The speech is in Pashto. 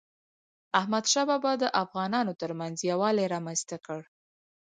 احمدشاه بابا د افغانانو ترمنځ یووالی رامنځته کړ.